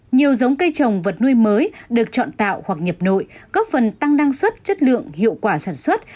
nhiều giống cây trồng vật nuôi mới được chọn tạo hoặc nhập nội góp phần tăng năng suất chất lượng hiệu quả sản xuất